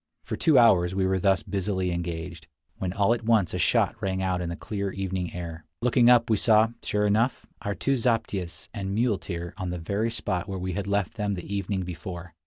For two hours we were thus busily engaged, when all at once a shout rang out in the clear evening air. Looking up we saw, sure enough, our two zaptiehs and muleteer on the very spot where we had left them the evening before.